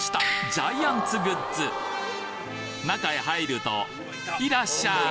ジャイアンツグッズ中へ入ると「いらっしゃい！」